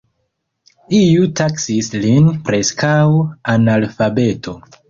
Iu taksis lin "preskaŭ-analfabeto.